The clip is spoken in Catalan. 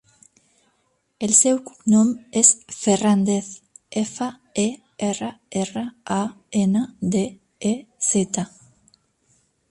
El seu cognom és Ferrandez: efa, e, erra, erra, a, ena, de, e, zeta.